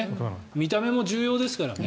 見た目も重要ですからね。